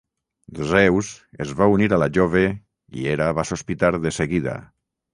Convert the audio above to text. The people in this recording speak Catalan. Zeus es va unir a la jove i Hera va sospitar de seguida.